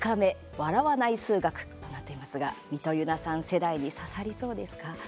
「笑わない数学」となっていますがみとゆなさん世代に刺さりそうですか？